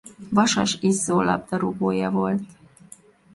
Vasas Izzó labdarúgója volt.